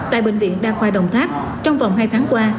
tại bệnh viện đa khoa đồng tháp trong vòng hai tháng qua